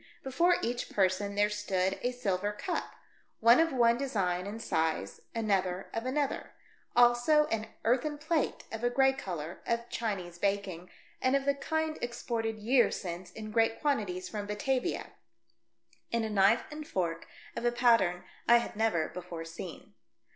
Before each person there stood a silver cup — one of one design and size, another of another ; also an earthen plate, of a grey colour, of Chinese baking, and of the kind exported years since in great quantities from Batavia; and a knife and fork of a pattern I had never before seen.